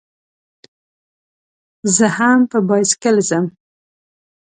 زه هم په بایسکل ځم.